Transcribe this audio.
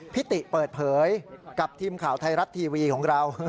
ติเปิดเผยกับทีมข่าวไทยรัฐทีวีของเรา